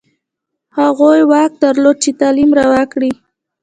هغوی واک درلود چې تعلیم روا کړي.